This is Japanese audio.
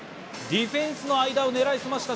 ディフェンスの間を狙いました